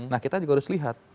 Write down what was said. nah kita juga harus lihat